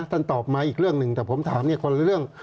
ตอบมาอีกเรื่องหนึ่งแต่ผมถามคนละเรื่อง